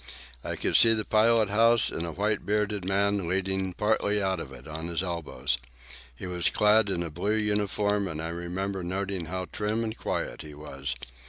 I could see the pilot house and a white bearded man leaning partly out of it, on his elbows. He was clad in a blue uniform, and I remember noting how trim and quiet he was.